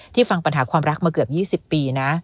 ฟังปัญหาความรักมาเกือบ๒๐ปีนะ